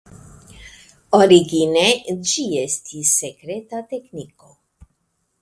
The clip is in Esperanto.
Origine ĝi estis sekreta tekniko.